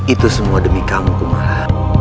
itu semua demi kamu marah